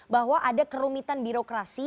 bahwa ada kerumitan birokrasi